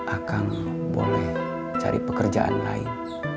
akan boleh cari pekerjaan lain